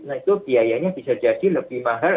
nah itu biayanya bisa jadi lebih mahal